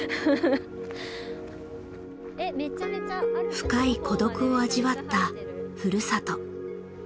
深い孤独を味わったふるさと。